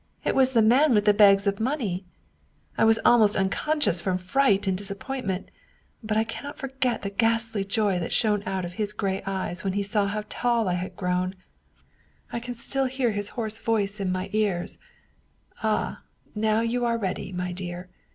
It was the man with the bags of money. " I was almost unconscious from fright and disappoint ment, but I cannot forget the ghastly joy that shone out of his gray eyes when he saw how tall I had grown. I 103 German Mystery Stories can still hear his hoarse voice in my ears :' Ah. now you are ready, my dear!